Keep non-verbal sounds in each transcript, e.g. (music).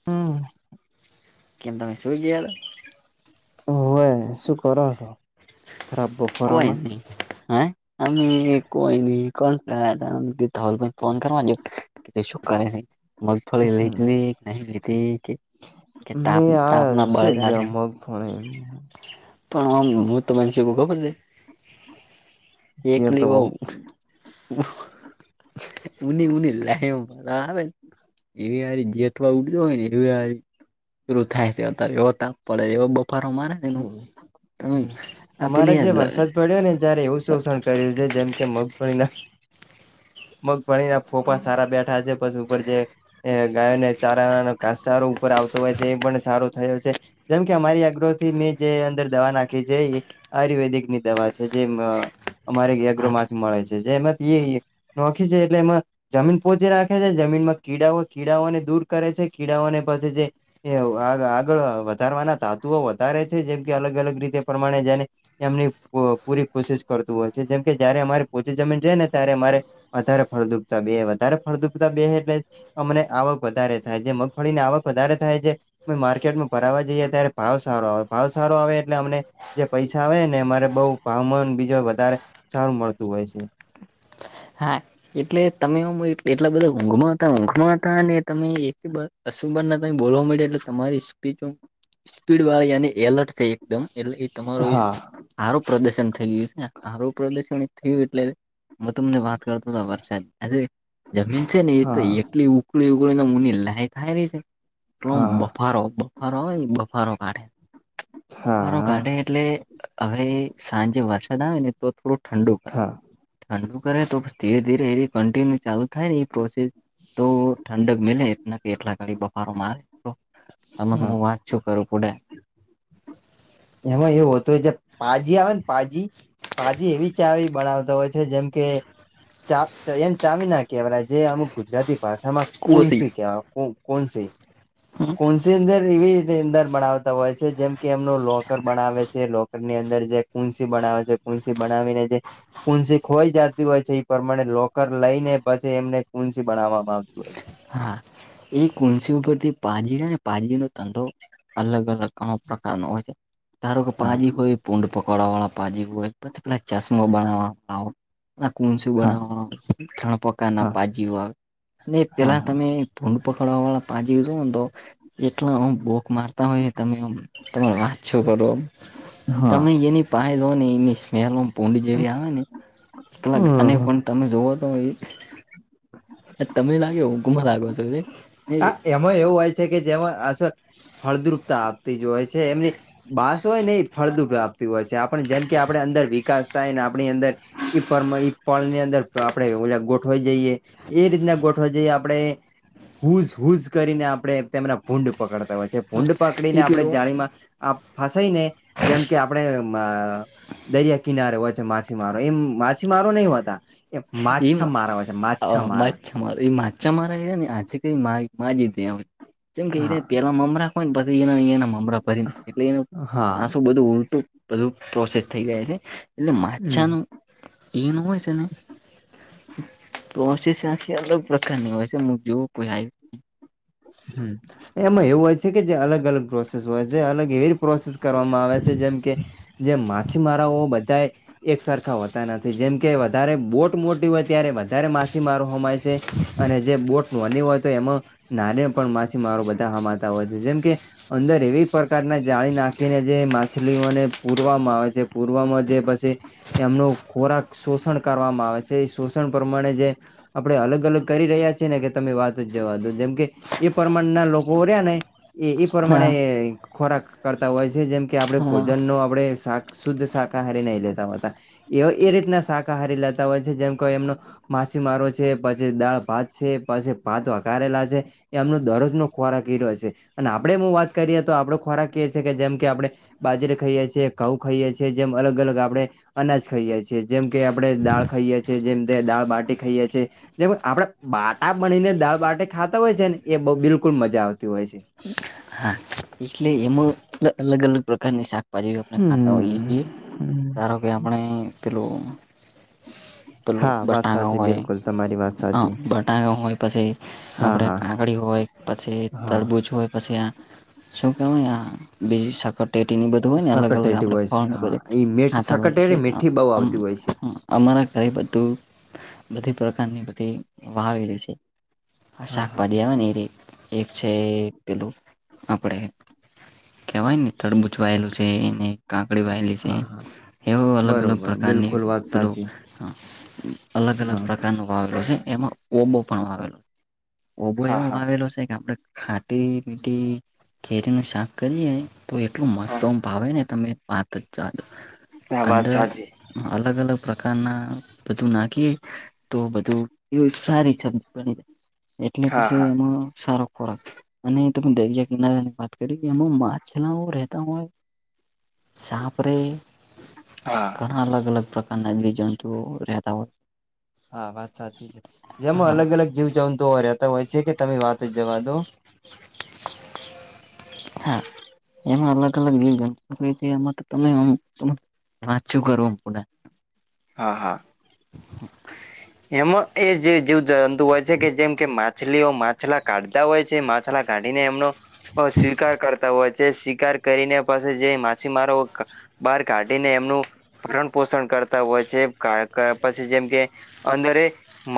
(unintelligible) કેમ તમે સૂઈ ગયાતા? હોવે સુકરો શો? ખરાબ (unintelligible) હતા કોઈ નહી. હેય અમી કોઈ ની કોણ (unintelligible) ફોન કરવા દયો કે શું કરે હે મગફળી લીધલી કે નહી લેતી કે મે તાપ તાપ ના આયા શ શું બળેલા લ્યો છે મગફળી પણ આમુ જોતો માન શગુ ખબર છે. (unintelligible) જીયો તો (unintelligible) ઉની ઉની (unintelligible) આવે (unintelligible) પરું થાય છે અત્યારે એવો તાપ પડે એ પર મારાનું તમે અમારે આપેલી જે વરસાદ પડ્યો ને જયારે એવું શોષણ કર્યું છે જેમ કે મગફળના મગ ભણી ના ફોફા સારા બેઠા છે પછી ઉપર જે ગાયોને ચારા ઘાસ ચારો ઉપર આવતો હોય છે એ પણ સારો થયો છે જેમ કે અમારી આ ગ્રોથ થી મેં જે અંદર દવા નાખી છે એ આયુર્વેદિકની દવા છે જે અમારે આ ગ્રો માંથી મળે છે જે એમાં નોખી છે એટલે એમાં જમીન પોહોંચી રાખે છે જમીનમાં કીડાઓ કીડાઓને દૂર કરે છે કીડાઓને પછી જે એ આગળ વધારવાના ધાતુઓ વધારે છે જેમ કે અલગ અલગ રીતે પ્રમાણે જેને એમની પૂરી કોશિશ કરતું હોય છે જેમ કે જયારે અમારી પોછી જમીન રહે ને ત્યારે અમારે વધારે ફળદુપતા બે વધારે ફળદુપતા બે એટલે અમને આવક વધારે થાય જે મગફળી ની આવક વધારે થાય છે અ માર્કેટમાં ભરાવા જઈએ ત્યારે પાાવ સારો આવે ભાવ સારો આવે એટલે અમને જે પૈસા આવે ને અમારે બઉ ભાવ મન બીજો વધારે સારું મળતું હોય છે હા એટલે તમે એટલા બધા ઊંઘમાં હતા ઊંઘમાં હતા અને તમે એક અશુંબર ના ત બોલવા મળે એટલે તમારી સ્પીડ સ્પીડ વાળી અને એલર્ટ એકદમ એટલે એ તમારો હા આારું પ્રદર્શન થઈ ગયું છે ને આારું પ્રદર્શન થયું એટલે હું તમને વાત કરતો વરસાદ આજે જમીન છે ને હા એ એટલી ઉકળ ઉકળીને મુની લાય થાય રહી છે એલોમ હા. બફારો બફારો હોય બફારો કાઢે હા બફારો હા કાઢે એટલે હવે સાંજે વરસાદ આવે ને તો થોડું ઠંડુ પ હા ઠંડ કરે તો ધીરે ધીરે એ કન્ટિન્યુ ચાલુ થાય ને એ પ્રોસેસ તો ઠંડક મિલે એટના કે એટલા ઘડી બફારોમાં આવે તને હા હું વાંચ છું કરું પુડે એમાં એવું હોતું હોય છે પાાજી આવે ને પાજી પાાજી એવી ચાી બનાવતા હોય છે જેમ કે એમ ચામી ના કેવા જે અમુક ગુજરાતી ભાષામાં કોસી કોનસી ક્યા કોન સ કોનસી અંદર એવીની અંદર બણાવતા હોય છે જેમ કે એમનો લો લોકર બનાવે છે લોકર ની અંદર જે કુંસી બનાવે છે કુંન્સી બનાવીને જે કુંન્સી ખોઈ જતી હોય છે એ પ્રમાણે લોકર લઈ ને પછી એમને કુંન્સી બનાવવામાં આવતી હોય છે હા એ કલસી ઉપરથી પાજી ને પાજી નો તંધો અલગ અલગ અમ પ્રકાર ન હોય છે ધારો કે હા પાાજી હોય પૂડ પકડવા વાળા પાાજી હોય પછી પેલા ચશ્મા બનાવા વાળ હોય ના કુ શું હા બનાવવાણપકાર ના હા પાજી વા અને હા પેલા હા. તમે ભૂડ પકડવા વાળા પાંજ જોો ને તો એટલા હ ભોક માર તમે તમે તમારો વાંચ છો કરો હા તમે એની પાયો ને એની સ્લ પડી જેવી આવે ને એટલા હમ પણ તમે જુવઓ તો એ જ એ તમને લાગે હું ગુમ લાગ્યો છું સમય એવું હોય છે કે જેમાં અસર ફળદ્રુપતા આપતી જ હોય છે એમની બાસ હોય ને એ ફળદું પ્રપતી હોય છે આપને જેમ કે આપણે અંદર વિકાસ થાય ને આપણી અંદર પર ઈ પળ ની અંદર આપણેે ગોઠવા જઈએ એ રીતના ગોઠવા જઈએ આપણે હુઝ હુઝ કરીને આપડે તેમના ભૂંડ પકડતા ફૂડ એ પકડીને આપણે પેલું જાણીમાં ફસાઈને જેમ કે આપણે દરિયા કિનારે હોય છે માછીમારો એમ માછીમારો નહ હોતા એ માછા મારા હોય છે માછા મારા માચ્છા એ માચા મારા ને આજે કઈ મા મા જતે જેમ કહી હા ર પેલા મમરા પમ પ એટલે એ હા પાછું બધું ઉલટું બધું પ્રોસેસ થઈ જાય છે એટલે હમ માછાનું એનું હોય છે ને કોસી સાસીી અલગ પ્રકાર નનીયું જો ક હ એમાં એવું હોય છે કે જે અલગ અલગ પ્રોસેસ હોય છે અલગ એવી પ્રોસેસ કરવામાં આવે છે જેમ કે જે માછીમારાઓ બધા એક સરખા હોતા નથી જેમ કે વધારે બોટ મોટી હોય ત્યારે વધારે માછીમારો હોમાય છે અને જે બોટ નોની હોય તો એમાં ના પણ માછીમારો બધા હામાતા હોય છે જેમ કે અંદર એવી પ્રકારના જાળી નાખીને જે માછલીઓને પૂરવામાં આવે છે પૂરવામાં જે પછી એમનું ખોરાક શોષણ કરવામાં આવે છે એ શોષણ પ્રમાણે જે આપડણે અલગ અલગ કરી રહ્યા છીએ ને કે તમે વાત જ જવા દો જેમ કે એ પ્રમાણના લોકો રહ્યા ને એ એ પ્રમાણે હા ખોરાક કરતા હોય છે જેમ કે આપણે હા ભોજન નો આપણે શાક શુદ્ધ શાકાહારી નહી લેતા હો હતા એ એ રીતના શાકાહારી લેતા હોય છે જેમ કો એમનો માછીમારો છે પછી દાળ ભાત છે પછી ભાત વગારેલા છે. એમનો દરરોજ નો ખોરાક એઈ રહ્યો છે અને આપડે હ વાત કરીએ તો આપડો ખોરાક એ છે કે જેમ કે આપડણે બાજરે ખાઈએ છીએ ઘઉ ખાઈએ છીએ જેમ અલગ અલગ આપણે અનાજ ખાઈએ છીએ જેમ કે આપડણે દાળ ખાઈએ છીએ જેમ તે દાળ બાટી ખાઈએ છીએ જે આપડે બાટા બનીને દાળ બાટે ખાતા હોય છે ને એ બિલકુલ મજા આવતી હોય છે એટલે એમાં અલગ અલગ પ્રકારની શાકભાજી આપણે ખાતા હોઈએ છીએ હમ્મ ધારો કે આપણે પેલું પેલું હા વાત બટાકા સાચી હોય બિલકુલ તમારી વાત હ સાચી બટાકા હોય પછી હા આપડે હા કાકડી હોય પછી હા તરબૂજ હોય પછી શોગાવયા બે શકોત પટેટીની બધું હોય ને અલગ અલગ સકટેટી આપણે હોય છે ફળને હા બધું એ મીઠ ખાતા હોઈએ સકટેરી છી મીઠી બહુ આવતી હોય છે. અમારા ઘરે બધું બધી પ્રકારની બધી વાવેલી છે. હ હા હા શાકભાજી આવે ને એ રી એક છે પેલું આપડે કેવાય ને તડબૂચવાયેલું છે એને કાંકડી વાયેલી હા હા એવ અલગ અલગ બરોબર પ્રકારની બિલકુલ વાત પેલું સાચી હા અલગ અલગ હા. પ્રકારનો વાવેલો છે એમાં ઓબો પણ વાવેલો ઓબો હા એવ હા આવેલો છે કે આપણે ખાટીમિટી કેરીનું શાક કરીએ તો એટલું મસ્ત હા આમ ભાવે ને તમે પાત જ ચજો હા વાત અંદર સાચી અલગ અલગ પ્રકારના બધું નાખી તો બધું એવ સારી સમજ પડી એટલે હા પછી હા એમાં સારો ખોરાક અને ત દર ની વાત કરી કે એમાં માછલા રહેતા હોય સાપ રે હા ઘણા અલગ અલગ પ્રકારના જીવજંતુઓ રહેતા હોય હા વાત સાચી છે જેમાં હા અલગ અલગ જીવ જંતુઓ રહેતા હોય છે કે તમે વાત જ જવા દો હા એમાં અલગ અલગ જે એમાં તમે વાચ્યું કર પ હા હા હ એમાં એ જે જેવ જંતુ હોય છે કે જેમ કે માછલીઓ માછલા કાઢતા હોય છે કાઢીને એમનો સ્વીકાર કરતા હોય છે સ્વીકાર કરીને પછી જે માછીમારો બહાર કાઢીને એમનું ભરણ પોષણ કરતા હોય છે કે ર પછી જેમ કે અંદરે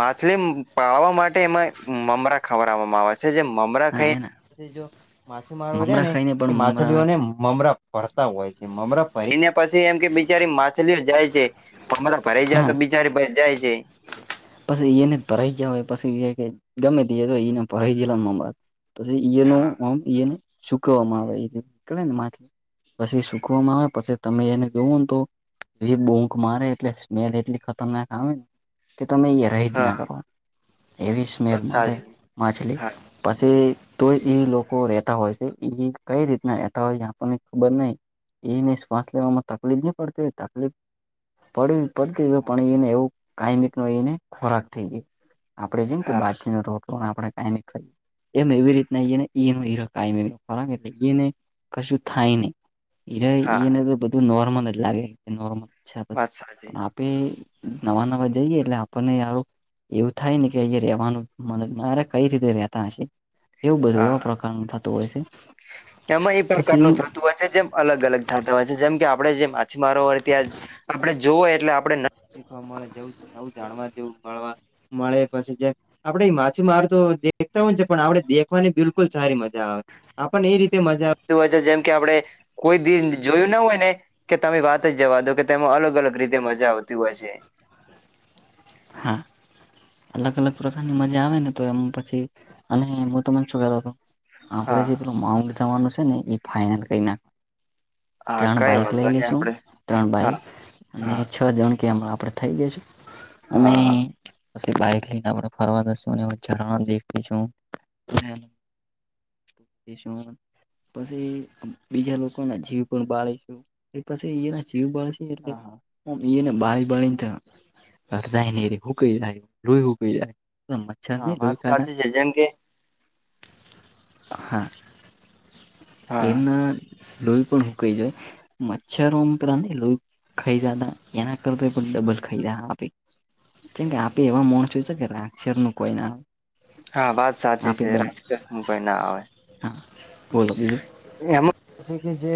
માછલી પાળવા માટે એમાં મમરા ખવડવામાં આવે છે જે મમરા હા ખાઈ એના પછ માછીમારો રહ્યા મમરા ને ખાઈને એ પણ મમરા માછલીઓને મમરા ફરતા હોય છે મમરા ફરીને પછી એમ કે બિચારી માછલીઓ જાય છે મમરા ફઈ જાય તો હા બિચારી જાય છે પછી એને જ ભરાઈ ગયા હોય પછી ગમે તે તો એને ભરાઈ ગયેલા મમરા પછી ઈ ન હા આમ ને સુકવવામાં આવે નીકળે ને માછલી પછી સુખવામાં આવે પછી તમે એને જોવો ને તો એ બૂંક મારે એટલે સ્મેલ એટલી ખતરનાક આવે ને. કે તમે એયા રહી જ ના હા કરવા, એવી સ્મેલ વાત મારે સાચી માછલી. હા પછી તો એ લોકો રહેતા હોય છે, એ કઈ રીતના રહેતા હોય છે, આપણને ખબર નહીં. એને શ્વાસ લેવામાં તકલીફ નહીં પડતી હોય, તકલીફ? પડવી પડતી હોય, પણ એને એવું કાયમી. એને ખોરાક થઈ જાય, આપડે જેમ કે હા બાજરીનો રોટલો આપણે ખાઈએ. એમ એવી રીતના ઈ ને ન ઈ રક ખરા? એટલે ને કશું થાય નહી. એરા, હા એને તો બધું નોર્મલ લાગે, નોર્મલ વાત સાચી છે. નવા-નવા જઈએ એટલે આપણને સારું એવું થાય ને, કે અહીંયા રેવાનું, મારા કઈ રીતે રેતા હશે? એવું બધું, હા એવા હા પ્રકારનું થતું હોય છે એમાં એ પછી. પ્રકારનું થતું જેમ અલગ અલગ થતા હોય છે, જેમ કે આપડે જે માછીમારો હોય ત્યાં. આપણે જોવાય એટલે, આપણે ન શીખવા મળે, જેવું નવું જાણવા જેવું મળવા. મળે પછી, જે આપડે માછીમાર તો દેખતા હોય છે, પણ આપડે દેખ ની, બિલકુલ સારી મજા આવે. આપને એ રીતે મજા હોય, જેમ કે આપડે. કોઈ દિ જોયું ન હોય ને. કે તમે વાત જ જવા દો, કે તેમાં અલગ અલગ રીતે મજા આવતી હોય છે. હા. અલગ અલગ પ્રકારની મજા આવે ને, તો એમ પછી. અને હું તો મને શું કરતો હતો? આપડે હા જે પેલું માઉન્ટ જવાનું છે ને, એ ફાઈનલ કરી નાખવા. હા ત્રણ કઈ બાઈક વાંધો લઈ નહી લઈશું, આપડે ત્રણ બાઈક હા અને હા છ જણ કે, આપડે થઈ ગઈ છે અને. હા પછી બાઈક લઈને આપણે ફરવા જઈશું, હરણા દેખીશું. (unintelligible) પછી બીજા લોકો ના જીવ પણ બાળે છે, એ પછી એના જીવ બાળે છે. હા હા ટલે ને બારી બળને તો. અાય ન ર હું ક લોહી હું ક જાય મચ્છર હા નઈ વાત લોહી ખાના સાચી છે જેમ કે (inaudible) (unintelligible) હા, હા એમના. રઈ પણ હુકકી જો. મચ્છરો ઉપરાંત, એના કરતા પણ ડબલ ધા આપે. જેમ કે, આપે એવા માણસ છે કે રાક્ષર નું કોઈ ના. હા, વાત સાચી આપે છે. બને રાક્ષસ કોઈ ના આવે. હા, બોલો. એમ છે કે જે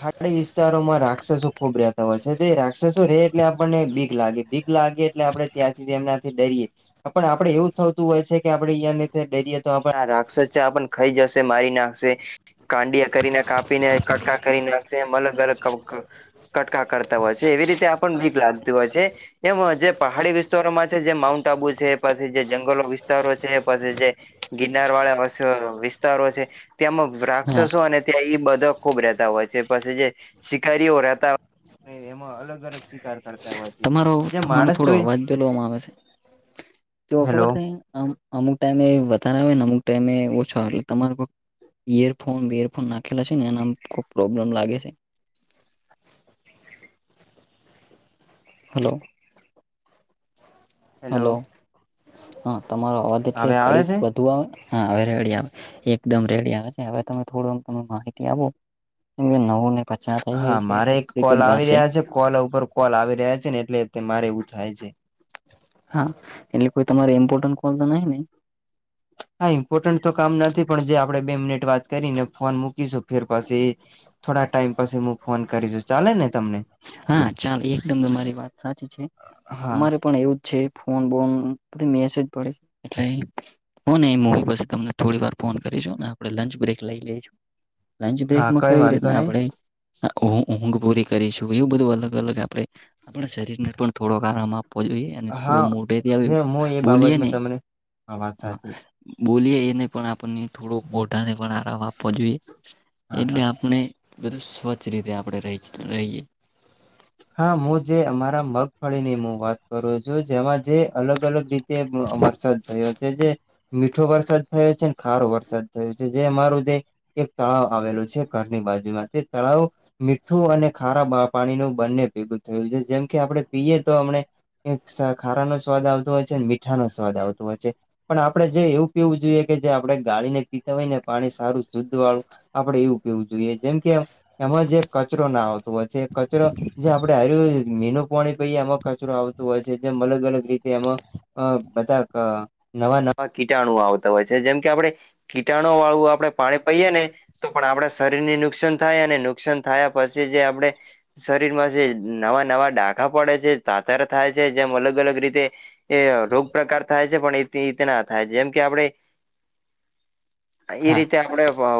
પહાડી વિસ્તારોમાં રાક્ષસો ખુબ રહેતા હોય છે. તે રાક્ષસો રહેે એટલે આપણને બીક લાગે બી લાગે એટલે આપણે ત્યાંથી એમના. ડરીએ પણ આપડે એવું થતું હોય છે કે, આપડે અહીંયા ડરીએ તો આપ રાક્ષસ એ આપણા ખાઈ જશે, મારી નાખશે. કાંડિયા કરીને, કાપીને કટકા કરી નાખશે અલગ અલગ. કટકા કરતા હોય છે, એવી રીતે આપને વીક લાગતું હોય છે. એમ જે પહાડી વિસ્તારોમાં છે, જે માઉન્ટ આબુ છે, પછી જે જંગલો વિસ્તારો છે, પછી જે. ગિરનાર વાળા વિસ્તારો છે, ત્યાંમાં હા રાક્ષસો અને ત્યાં એ બધા ખુબ રહેતા હોય છે, પછી જે શિકારીઓ રહેતા. એમાં અલગ અલગ શિકાર કર (unintelligible) તમારો તમારો થોડો અવાજ બલવામાં આવે છે, તો હેલો ખબર ત્યાં. આમ અમુક ટાઈમે વધારે આવેને, અમુક ટાઈમે ઓછો, એટલે તમારો ઇયરફોન વિયરફોન નાખેલા છે ને, એના ખૂબ પ્રોબ્લેમ લાગે છે. હલો. હેલો હલો, હા, તમારો અવાજ એટલે હવે આવે ઘડીક. છે તું આવ હા હવે રેડી આવે, એકદમ રેડી આવે છે, હવે તમે થોડું આમ માહિતી આપો. એ નવું ને પચાસ થઈ હા ગઈ છે મારે એટલે એક થોડીક જ કોલ વાર આવી છે. રહ્યા કોલ ઉપર કોલ આવી રહ્યા છે ને એટલે તે મારે એવું થાય છે. હા એટલે કોઈ તમારે ઇમ્પોર્ટન્ટ કોલ તો નઈ ને? હા ઈમ્પોર્ટન્ટ તો કામ નથી પણ જે આપણેે બે મિનિટ વાત કરીને ફોન મૂકીશું ફેર પછી થોડા ટાઈમ પછી મુ ફોન કરીશ, ચાલેને તમને? હા ચાલ એકદમ તમારી વાત સાચી છે, હા અમારે પણ એવું છે ફોન બોન મેસેજ પડે છે એટલે અહીં હ ને એ મુ પછી તમને થોડીવાર ફોન કરીશું ને આપણે લંચ બ્રેક લઈ લઈશું. લંચ હા બ્રેકમાં કઈ વાંધો રીતના નહી આપણે ઊ ઊંઘ પૂરી કરીશ? એવું બધું અલગ-અલગ આપણે આપણા શરીરને પણ થોડો આરામ આપવો જોઈએ. અને હા થોડું મોઢેથી આવી ન જે હું એ બોલીએને બાબતમાં તમને હા વાત સાચી બોલીયએ એ નહીં પણ આપણને એ થોડોક હો ધાને પણ આરામ આપવો જોઈએ હા હા એટલે આપણે બધું સ્વચ્છ રીતે આપણે રહી છી રહીએ. હા મુ જે અમારા મગફળીની મુ વાત કરું છું, જેમાં જે અલગ-અલગ ડી તે અ વરસાદ થયો છે જે મીઠો વરસાદ થયો છે ને ખારો વરસાદ થયો છે જે અમારું જે એક તળાવ આવેલું છે, ઘરની બાજુમાં તે તળાવ મીઠું અને ખારા પાણીનું બંને ભેગું થયું છે જેમ કે આપણે પીએ તો અમણે એક ખારાનો સ્વાદ આવતો હોય છે ન મીઠાનો સ્વાદ આવતો હોય છે. પણ આપણે જે એવું પીવું જોઈએ કે જે આપણે ગાળીને પીતા હોય ને પાણી સારું શુદ્ધવાળું આપણે એવું પીવું જોઈએ જેમ કે એમાં જે કચરો ના આવતો હોય છે એ કચરો જે આપણે આયુર્વેદિક મીનું પાણી પીએ એમાં કચરો આવતું હોય છે જેમ અલગ-અલગ રીતે એમાં અ બધા ક નવાં-નવાં કીટાણુ આવતા હોય છે જેમ કે આપણે કીટાણુવાળું આપણે પાણી પહીએ ને તો પણ આપણા શરીરને નુકસાન થાય અને નુકસાન થાયા પછી જે આપણે શરીરમાં નવાં-નવાં ડાઘા પડે છે, ધાધર થાય છે જેમ અલગ-અલગ રીતે એ રોગ પ્રકાર થાય છે, પણ એ તે ના થાય જેમ કે આપણે (unintelligible) (inaudible) એ હા રીતે આપણે અ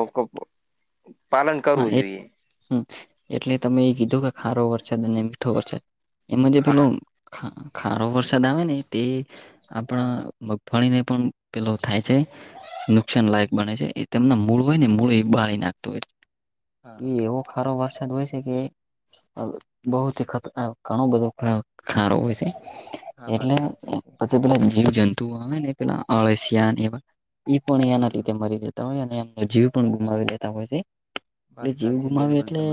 પાલન કરવું જોઈએ. હમ્મ, એટલે તમે એ કીધું કે ખારો વરસાદ અને મીઠો વરસાદ એમાં જે હા પેલો ખા ખારો વરસાદ આવે ને તે હા આપણા હા મ ભણીને પણ પેલો થાય છે. નુકસાન લાયક બને છે, એ તેમના મૂળ હોય ને મૂળ એ બાળી નાખતું હોય. એ હા એવો ખારો વરસાદ હોય છે કે અ બહુત હી ખત ઘણું બધું અ ખારો હોય છે. હા વાત એટલે સાચી છે પછી પેલા જીવજંતુઓ આવે ને પેલા અળસિયાં ને એવા ઈશપણ હા એના હા લીધે મરી દેતા હોય અને એમનો જીવ પણ ગુમાવી દેતા હોય છે. એટલે વાત જીવ સાચી ગુમાવી બિલકુલ તમારી એટલે